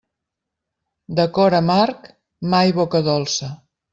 De cor amarg, mai boca dolça.